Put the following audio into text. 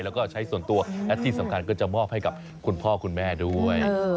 แล้วก็ใช้ส่วนตัวและที่สำคัญก็จะมอบให้กับคุณพ่อคุณแม่ด้วย